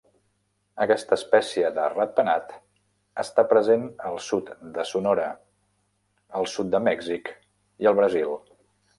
Aquesta espècie de ratpenat està present al sud de Sonora, al sud de Mèxic i al Brasil.